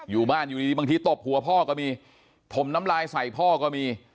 อยู่บ้านอยู่ดีบางทีตบหัวพ่อก็มีถมน้ำลายใส่พ่อก็มี